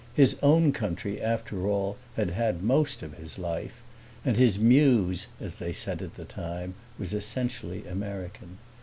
His own country after all had had most of his life, and his muse, as they said at that time, was essentially American.